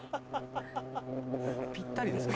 ぴったりですか？